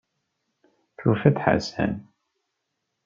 Tufa-d Ḥasan.